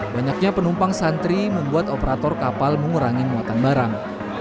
banyaknya penumpang santri membuat operator kapal mengurangi muatan barang